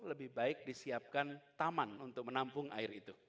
lebih baik disiapkan taman untuk menampung air itu